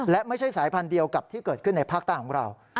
และไม่ใช่สายพันธุ์เดียวกับที่เกิดขึ้นในภาคใต้ของเรา